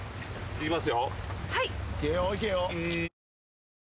いきますよ。